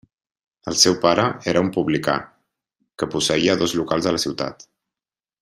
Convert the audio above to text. El seu pare era un publicà, que posseïa dos locals a la ciutat.